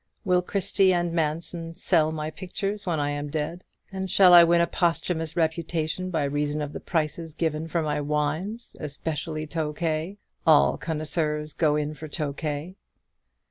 Will Christie and Manson sell my pictures when I am dead? and shall I win a posthumous reputation by reason of the prices given for my wines, especially Tokay? all connoisseurs go in for Tokay.